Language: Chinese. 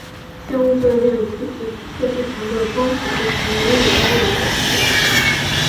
像物质的量及特殊强度的光谱就常用任意单位来表示。